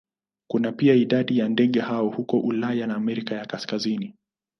Kuna pia idadi ya ndege hao huko Ulaya na Amerika ya Kaskazini.